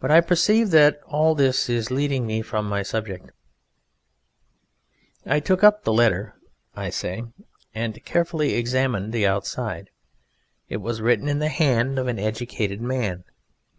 But I perceive that all this is leading me from my subject. I took up the letter, I say, and carefully examined the outside. It was written in the hand of an educated man.